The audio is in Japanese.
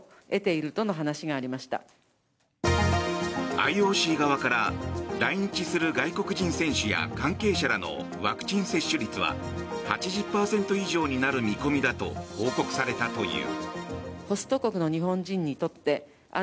ＩＯＣ側から来日する外国人選手や関係者らのワクチン接種率は８０％以上になる見込みだと報告されたという。